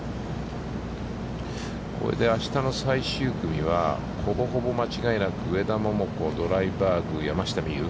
これであしたの最終組は、ほぼほぼ間違いなく、上田桃子、ドライバーグ、山下美夢有？